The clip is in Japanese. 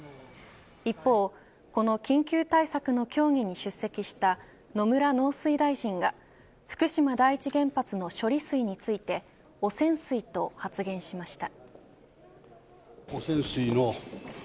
一方この緊急対策の協議に出席した野村農水大臣が福島第一原発の処理水について汚染水と発言しました。